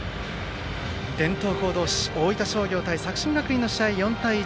伝統校同士大分商業対作新学院の試合４対１。